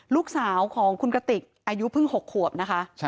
ลูกสาวของคุณกติกอายุเพิ่ง๖ขวบนะคะ